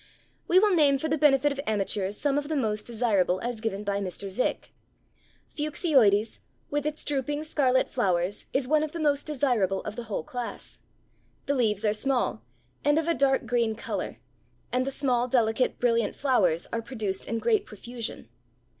We will name for the benefit of amateurs some of the most desirable as given by Mr. Vick: Fuchsioides, with its drooping scarlet flowers, is one of the most desirable of the whole class; the leaves are small, and of a dark green color, and the small, delicate brilliant flowers are produced in great profusion.